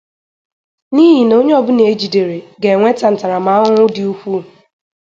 n'ihi na onye ọbụla e jidere ga-enweta ntaramahụhụ dị ukwuu